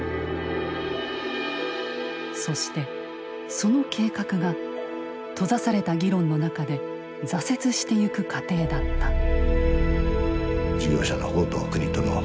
そしてその計画が閉ざされた議論の中で挫折してゆく過程だった。